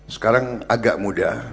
sekarang agak muda